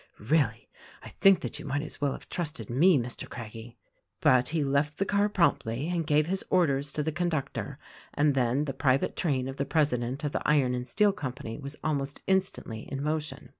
Really, I think that you might as well have trusted me, Mr. Craggie." But he left the car promptly and gave his orders to the conductor; and then the private train of the President of the Iron and Steel Company was almost instantly in motion.